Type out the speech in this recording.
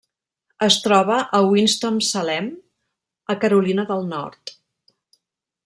Es troba a Winston-Salem, a Carolina del Nord.